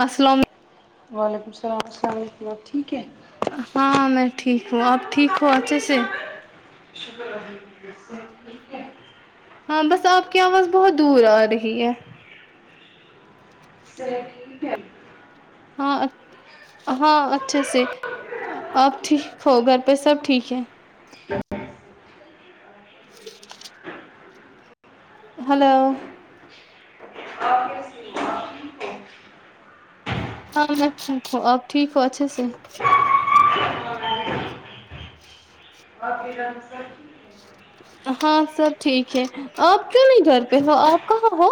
السلام وعلیکم السلام السلام وعلیکم آپ ٹھیک ہے ہاں میں ٹھیک ہوں آپ ٹھیک ہو اچھے سے شکر الحمدللہ سب ٹھیک ہے ہاں بس آپ کی آواز بہت دور آ رہی ہے چلو ٹھیک ہے ہاں ہاں اچھے سے اب ٹھیک ہو گھر پہ سب ٹھیک ہے [unintelligible] [inaudible] ہلو آ [unintelligible] ہاں میں ٹھیک ہوں آپ ٹھیک ہو اچھے سے افریکہ میں سب ہاں سب ٹھیک ہے آپ کیوں نہیں جاتے ہو آپ کہاں ہو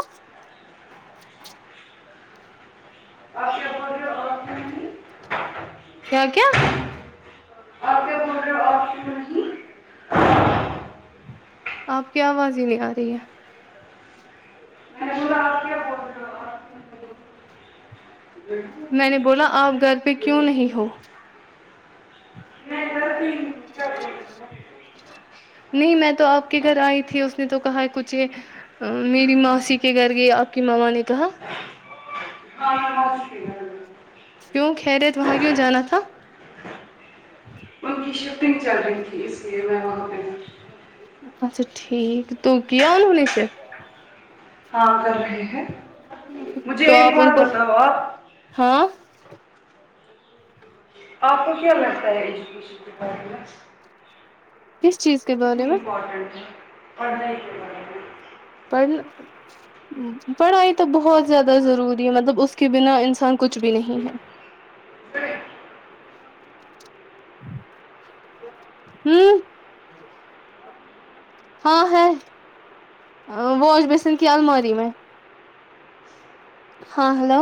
کیا کیا آپ کی آواز ہی نہیں آ رہی ہے میں نے بولا آپ گھر پہ کیوں نہیں ہو نہیں میں تو آپ کے گھر آئی تھی اس نے تو کہا ہے کچھ یہ میری ماسیی کے گھر گئے آپ کی ماما نے کہا ہاں کیوں خیرت وہاں کیوں جانا تھا ان کی شفٹنگ چل رہی تھی اس لیے میں وہاں پہ اچھا ٹھیک تو کیا انہوں نے سے ہاں کر رہے ہیں مجھے تو ایک آپ ان بات کو بتاؤ آپ ہاں آپ کو کیا لگتا ہے چاہیجوکیشن بارے میں کس چیز کے بارے کتنی میں امپورٹینٹ ہے پڑھنے کے بارے میں پڑھل پڑھائی تو بہت زیادہ ضروری ہے مطلب اس کے بنا انسان کچھ بھی نہیں ہے امم ہاں ہے واش بیسن کی الماری میں ہاں ہیلو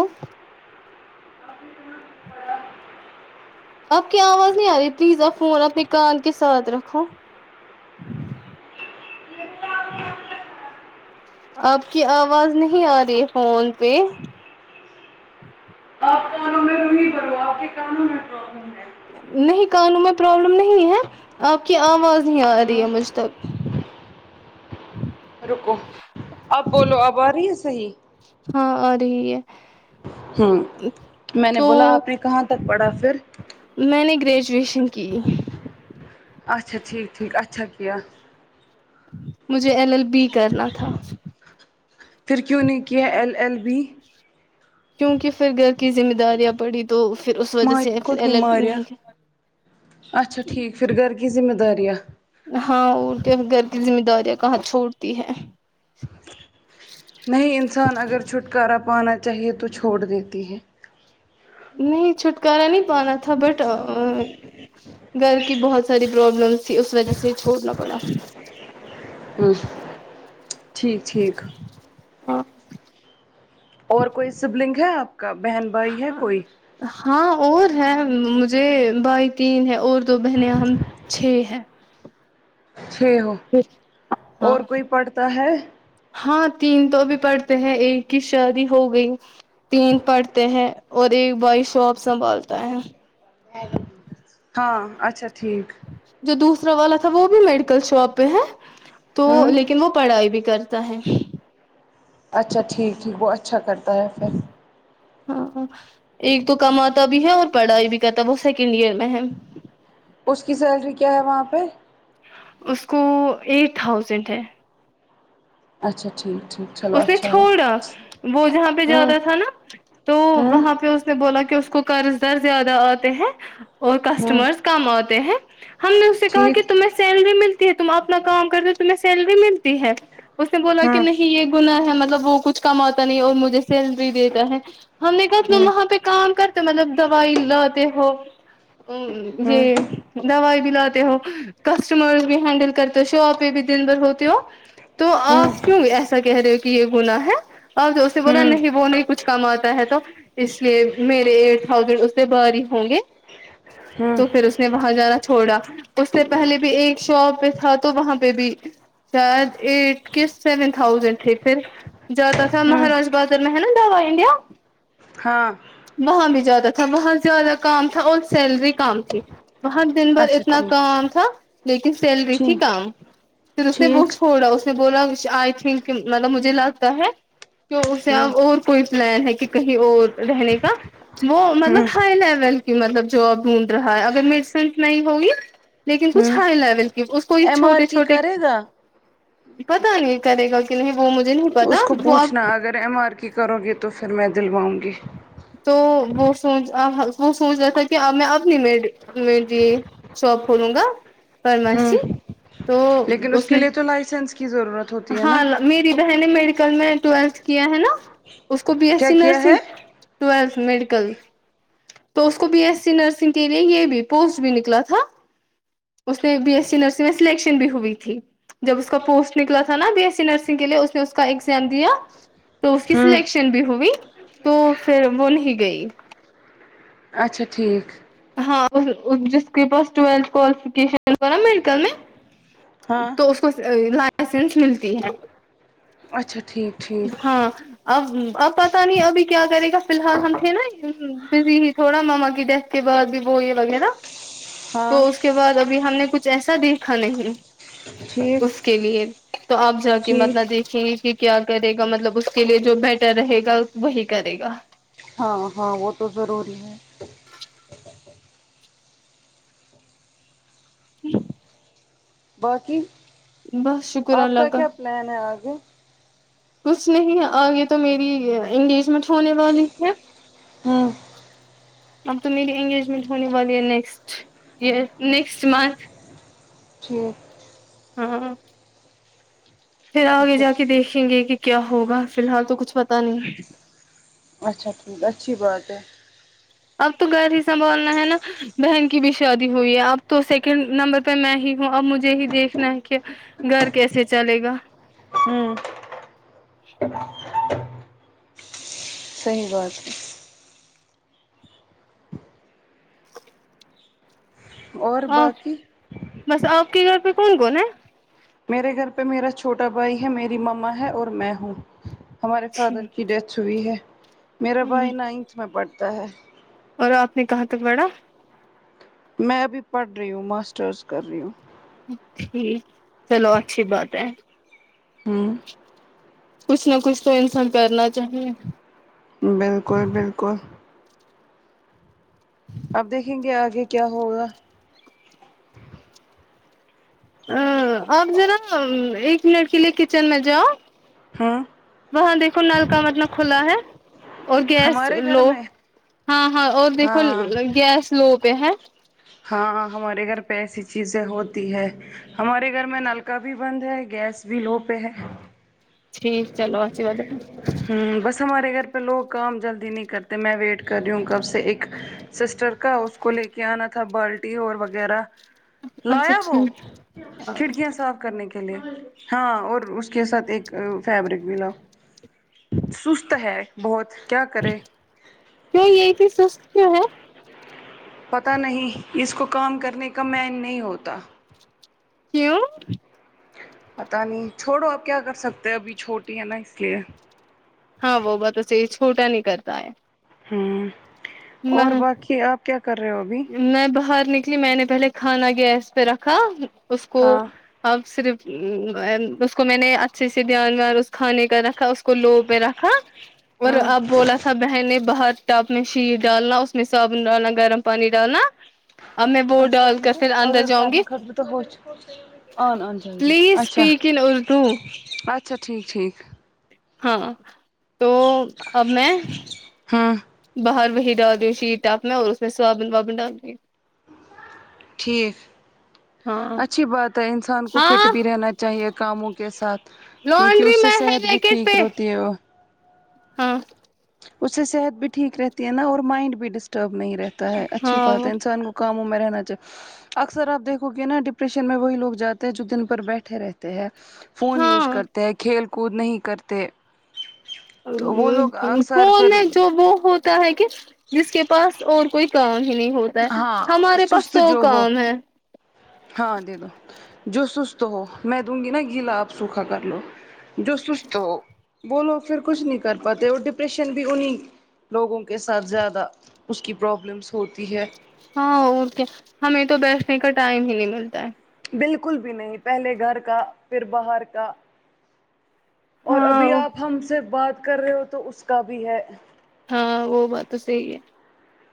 آپ کی آواز نہیں آ رہی پلیز آپ فون اپنے کان کے ساتھ رکھو ج آپ کی آواز نہیں آ رہی ہے فون پہ آپ کانوں میں روہی بھرو آپ کے کانوں میں پرابلم ہے نہیں کانوں میں پرابلم نہیں ہے آپ کی آواز نہیں آ رہی ہے مجھ تک روکو اب بولو اب آ رہی ہیں صحیح ہاں آ رہی ہے ہوں میں نے تو بولا آپ نے کہاں تک پڑہا پھر میں نے گریجویشن کی اچھا ٹھیک ٹھیک اچھا مجھے ایل ایل بی کرنا تھا پھر کیوں نہیں کیا ایل ایل بی کیونکہ پھر گھر کی ذمہ داریاں پڑی تو پھر اس وجہ ماں سے پھر خود بھی ایل ایل پی ماریا نہیں کر اچھا ٹھیک پھر گھر کی ذمہ داریاں ہاں اور کے گھر کی ذمہ داریاں کہاں چھوڑتی ہے نہیں انسان اگر چھٹکارا پانا چاہیے تو چھوڑ دیتی ہے نہیں چھٹکارا نہیں پانا تھا بٹ گھر کی بہت ساری پرابلمس تھی اس وجہ سے چھوڑنا پڑا وں ٹھیک ٹھیک ہاں اور کوئی سبلنگ ہے آپ کا بہن بھائی ہے کوئی ہاں اور ہے مجھے بھائی تین ہے اور تو بہنیں ہم چھ ہیں چھ ہو اور ہاں کوئی پڑھتا ہے ہاں تین تو ابھی پڑھتے ہیں ایک کی شادی ہو گئی تین پڑھتے ہیں اور ایک بھائی شاپ سنبھالتا ہے ہاں اچھا ٹھیک جو دوسرا والا تھا وہ بھی میڈیکل شاپ پہ ہے تو ہوں لیکن وہ پڑھائی بھی کرتا ہے اچھا ٹھیک ٹھیک وہ اچھا کرتا ہے پھر ہاں ہ ایک تو کماتا بھی ہے اور پڑھائی بھی کرتا وہ سیکنڈ ایئر میں ہے اس کی سیلری کیا ہے وہاں پہ اس کو ایٹ تھاؤزینڈ ہے اچھا ٹھیک ٹھیک چلو اس نے اچھا ہے چھوڑا وہ جہاں پہ ہوں جاتا تھا نا تو ہوں وہاں پہ اس نے بولا کہ اس کو قرض در زیادہ آتے ہیں اور ہوں کسٹمرس کم آتے ہیں ہم نے اسے کہا ٹھیک کہ تمہیں سیلری ملتی ہے تم اپنا کام کرتے ہو تمہیں سیلری ملتی ہے اس نے بولا کہ ہاں نہیں یہ گناہ ہے مطلب وہ کچھ کماتا نہیں اور مجھے سیلری دیتا ہے ہم نے کہا ہوں وہاں پہ کام کرتے مطلب دوائی لتے ہو ہوں یہ دوائی بھی لاتے ہو کسٹمر بھی ہینڈل کرتے شاپ پہ بھی دن بھر ہوتے ہو تو ہوں آپ کیوں ایسا ا کہہ رہے ہو کہ یہ گناہ ہے اب جے بولا ہوں نہیں وہ نہیں کچھ کماتا ہے تو اس لیے میرے ایٹ تھازینڈ اس سے برآ رہی ہوں گے ہوں تو پھر اس نے وہاں جانا چھوڑا اس سے پہلے بھی ایک شاپ پہ تھا تو وہاں پہ بھی شاید ایٹ کس سیون تھازینڈ پھر جاتا تھا ہوں مہاراج بازار میں ہے نا داوا انڈیا ہاں وہاں بھی جیادہ تھا وہاں زیادہ کام تھا اور سیلری کام تھی بہت دن بھر اچھا اتنا ٹھیک کام تھا لیکن سیلری تھی ٹھیک کم پھر اس نے وہ ٹھیک چھوڑا اس بولا آئی تھنک مطلب مجھے لگتا ہے کہ اسے ہوں اب اور کوئی پلان ہے کہ کہیں اور رہنے کا وہ مطلب ہوں ہائی لیول مطلب جاب ڈھونڈ رہا ہے اگر میڈیسینٹ نہیں ہوگی لیکن کچھ ہوں ہائی لیول اس کو یہ ایم آر چھوٹے کی چھوٹے کرے گا پتا نہیں کرے گا کہ نہیں وہ مجھ اس کو پوچھنا [unintelligible] اگر ایم آر کی کرو گی تو پھر میں دلواؤں گی تو وہ سوچ وہ سوچ رہا تھا کہب میں اب [unintelligible] شاپ کھولوں گا ہوں فرمسی تو لیکن اس کے میں لیے تو لائسنس کی ضرورت ہوتی ہے ہاں نا میری بہن نے میڈیکل میں ٹویلتھ کیا ہے نا اس کو بی ایس کیا سی کیا نرسنگ ہے ٹویلتھ میڈیکل تو اس کو بی ایس سی نرسنگ کے لیے یہ بھی پوسٹ بھی نکلا تھا اس نے بی ایس سی نرسری میں سلیکشن بھی ہوئی تھی جب اس کا پوسٹ نکلا تھا نا بی ایس سی نرسنگ کے لیے اس نے اس کا ایگزام دیا تو اس کی ہوں سلیکشن بھی ہوئی تو پھر وہ نہیں گئی اچھا ٹھیک ہاں ہو جس کے پاس ٹویلھ کوالیفکیش نا میڈیکل میں ہاں تو اس کو لائسنس ملتی ہے اچھا ٹھیک ٹھیک ہاں اب اب پتہ نہیں ابھی کیا کرے گا فی الحال ہم تھے نا بزی ہی تھوڑا ماما کی ڈیتھ اس کے بعد بھی وہ یہ وغیرہ ہاں تو اس کے بعد ابھی ہم نے کچھ ایسا دیکھا نہیں ٹھیک اس کے لیے تو آپ جا کے ٹھیک مطلب دیکھ ٹھیک ہی کیا کرے گا مطلب اس کے لیے جو بیٹر رہے گا وہی کرے گا ہاں ہاں وہ تو ضروری ہے جی باقی بس شکر آپ اللہ کا کیا پلان ہے آگے کچھ نہیں آگے تو میری انگیجمنٹ ہونے والی ہے ہوں اب تو میری انگیجمنٹ ہونے والی ہے نیکسٹ یے نیکسٹ منتھ ج ہاں پھر آگے اچھا جا کے دیکھیں گے کہ کیا ہوگا فی الحال تو کچھ پتا نہیں اچھا ٹھیک اچھی بات ہے اب تو گھر ہی سنبھالنا ہے نا بہن کی بھی شادی ہوئی ہے اب تو سیکنڈ نمبر پہ میں ہی ہوں اب مجھے ہی دیکھنا ہے کہ گھر کیسے چلے گا ہوں صحیح بات ہے ہے اور آ باقی بس آپ کے گھر پہ کون کون ہے میرے گھر پہ میرا چھوٹا بھائی ہے میری مما ہے اور میں ہوں ہمارے فادر کی ڈیتھ چھئی ہے میرا ہ بھائی نائنتھ میں پڑھتا ہے اور آپ نے کہاں تک پڑھا میں ابھی پڑھ رہی ہوں ماسٹرز کر رہی ہوں ٹھیک چلو اچھی بات ہے ہوں کچھ نہ کچھ تو انسان کرنا چاہے بالکل بالکل آپ دیکھیں گے آگے کیا ہوگا آپ ذرا ایک منٹ کے لیے کچن میں جاؤ ہوں وہاں دیکھو نل کا مطلب کھلا ہے اور گیس ہمارے گھر لو میں ہاں ہاں اور دیکھو ہاں گیس لو پے ہے ہاں ہمارے گھر پہ ایسی چیزیں ہوتی ہے ہمارے گھر میں نل کا بھی بند ہے گیس بھی لو پہ ہے ٹھیک چلو اچھی بات ہے ہ بس ہمارے گھر پہ لوگ کام جلدی نہیں کرتے میں ویٹ کر رہی ہوں کب سے ایک سسٹر کا اس کو لے کے آنا تھا بالٹی اور وغیرہ اچھا لایا وہ ٹھیک کھڑکیاں صاف کرنے کی لیے ہاں اور اس کے ساتھ ایک فیبرک ملا سست ہے بہت کیا کرے کیوں یہ بھی سست کیوں ہے پتا نہیں اس کو کام کرنے کا مین نہیں ہوتا کیوں پتا نہیں چھوڑو اب کیا کر سکتے ہیں ابھی چھوٹی ہے نا اس لیے ہاں وہ بات تو صحیح چھوٹا نہیں کرتا ہے ہوں اور میں باقی آپ کیا کر رہے ہو ابھی میں باہر نکلی میں نے پہلے کھانا گیس پہ رکھا اس کو ہاں اب صرف اس کو میں نے اچھے سے دھیان وان اس کھانے کا رکھا کو لو پہ رکھا اور ہاں اب بولا س بہن نے باہر ٹاپ میں شیر ڈالنا اس میں صابن ڈالنا گرم پانی ڈالنا اب میں وہ ڈال دشوند کر تو پھر ع اندر جاؤں گی کرنے خطر تو ہووچ آن [inaudible] پلیز اچھا اسپیک ان اردو اچھا ٹھیک ٹھیک ہاں تو اب میں ہاں باہر وہی ڈال رہی ہ شیٹ ٹپ میں اور اس میں صابن وابن ڈال دیی ٹھیک ہاں اچھی بات ہے انسان کو فٹ ہاں بھی رہنا چاہیے کاموں کے ساتھ کیونکہ اس لانڈری سے میں ہے صحت بھی ریکٹ ٹھیک پہ رہتی ہے وہ ہاں اس سے صحت بھی ٹھیک رہتی ہے نا اور مائنڈ بھی ڈسٹرب نہیں رہتا ہے اچھی بات ہے ہاں انسان کو کاموں میں رہنا چاہے اکثر آپ دیکھو گے نا ڈپریشن میں وہی لوگ جاتے ہیں جو دن پر بیٹھے رہتے ہیں فون یوز ہاں کرتے ہیں کھیل کود نہیں کرتے تو وہ لوگ اکثر فون پھر میں جو بہت ہے کہ جس کے پاس اور کوئی کام ہی نہیں ہوتا ہاں ہمارے پاس سست سو جو ہو کام ہے ہاں دے دو جو سست ہو میں دوں گی نا گیلا آپ سوکھا کر لو جو سست ہو بولو پھر کچھ نہیں کر پاتے اور ڈپریشن بھی انہیں لوگوں کے ساتھ زیادہ اس کی پرابلمس ہوتی ہے ہاں اور کیا ہمیں تو بیٹھنے کا ٹائم ہی نہیں ملتا ہے بالکل بھی نہیں پہلے گھر کا پھر باہر کا اور ابھی ہاں آپ ہم سے بات کر رہے ہو تو اس کا بھی ہے ہاں وہ بات تو صحیح ہے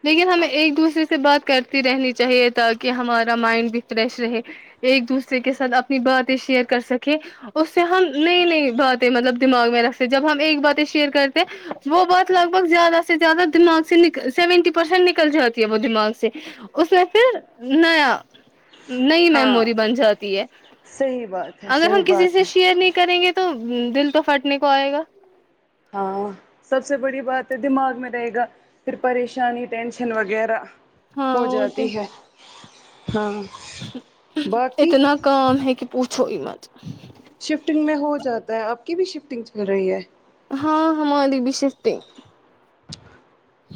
لیکن ہمیں ایک دوسرے سے بات کرتی رہنی چاہیے تاکہ ہمارا مائنڈ بھی فریش رہے ایک دوسرے کے ساتھ اپنی باتیں شیئر کر سکے اس سے ہم نئی نئی باتیں مطلب دماغ میں رکھتے جب ہم ایک باتیں شیئر کرتے وہ بات لگ بھگ زیادہ سے زیادہ دماغ سےنکل سیونٹی پرسینٹ نکل جاتی ہے وہ دماغ سے اس میں پھر نیا نہیں ہاں میموری بن جاتی ہے صحیح بات ہے اگر ہم صحیح کسی بات سے ہے شیئر نہیں کریں گے تو تو دل تو پھٹنے کو آئے گا ہاں سب سے بڑی بات ہے دماغ میں رہے گا پھر پریشانی ٹینشن وغیرہ ہاں ہو اور کیا جاتی ہے ہاں باقی اتنا کام ہے کہ پوچھو ہی مت شفٹنگ میں ہو جاتا ہے آپ کی بھی شفٹنگ چل رہی ہے ہاں ہماری بھی شفٹگ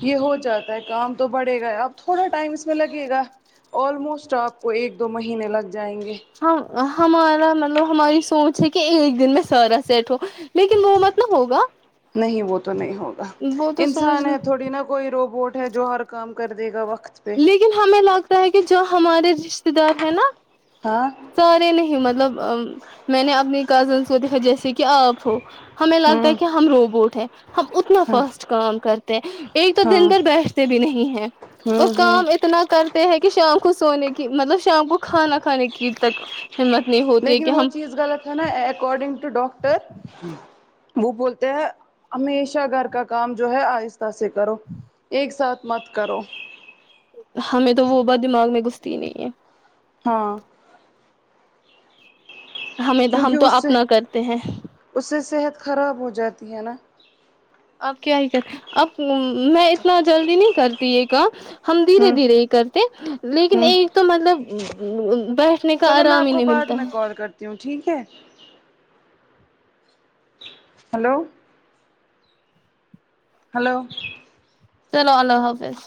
یہ ہو جاتا ہے کام تو بڑھے گا ہے اب تھوڑا ٹائم اس میں لگے گا آلموسٹ آپ کو ایک دو مہینے لگ جائیں گے ہم ہمارا مطلب ہماری سوچ ہے کہ ایک دن میں سارا سیٹ ہوں لیکن وہ مت نہ ہوگا نہیں وہ تو نہیں ہوگا وہ تو سوچ انسان ہے تھوڑی نا کوئی روبوٹ ہے جو ہر کام کر دے گا وقت پہ لیکن ہمیں لگتا ہے کہ جو ہمارے رشتے دار ہیں نا ہاں سارے نہیں مطلب میں نے اپنی کزنس کو دیکھا جیسے کہ آپ ہو ہمیں لگتا ہاں ہے کہ ہم روبوٹ ہے ہم اتنا ہاں فاسٹ کام کرتے ہیں ایک تو دن ہاں بھر بیٹھتے بھی نہیں ہیں وہ ہوں ہوں کام اتنا کرتے ہیں کہ شام کو سونے کی مطلب شام کو کھانا کھانے کی تک ہمت نہیں ہوتی ہے لیکن کہ وہ ہم چیز غلط نا ایکاڈنگ ٹو ڈاکٹر وہ بولتے ہیں ہمیشہ گھر کا کام جو ہے آہستہ سے کرو ایک ساتھ مت کرو ہمیں تو وہ بات دماغ میں گھستی ہی نہیں ہے ہاں ہمیں کیونکہ ہم تو اس سے اپنا کرتے ہیں اس سے صحت خراب ہو جاتی ہے نا اب کیا ہی کر اب میں اتنا جلدی نہیں کرتی یہ کا ہم دھیرے ہوں دھیرے ہی کرتے لیکن ہوں ایک تو مطلب بیٹھنے کا آرام ہی نہیں ملتا ہے کیوں ٹھیک ہے ہلو ہلو چلو اللہ حافظ